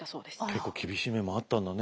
結構厳しい面もあったんだね